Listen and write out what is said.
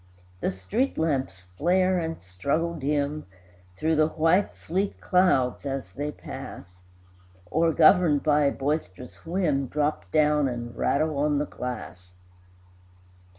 The street lamps flare and struggle dim Through the white sleet clouds as they pass, Or, governed by a boisterous whim, Drop down and rattle on the glass.